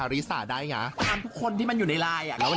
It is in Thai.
วันนี้เกี่ยวกับกองถ่ายเราจะมาอยู่กับว่าเขาเรียกว่าอะไรอ่ะนางแบบเหรอ